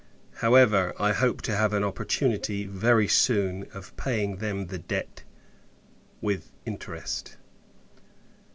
However, I hope to have an opportunity, very soon, of paying them the debt, with interest.